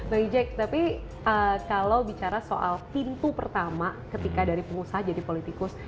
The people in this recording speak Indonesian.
bang ijek tapi kalo bicara soal pintu pertama ketika dari pengusaha jadi politikus